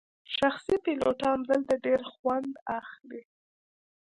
شخصي پیلوټان دلته ډیر خوند اخلي